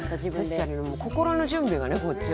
確かに心の準備がねこっちは。